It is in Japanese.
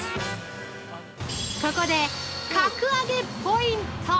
ここで、格上げポイント。